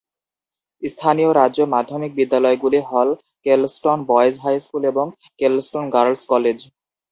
স্থানীয় রাজ্য মাধ্যমিক বিদ্যালয়গুলি হল কেলস্টন বয়েজ হাই স্কুল এবং কেলস্টন গার্লস কলেজ।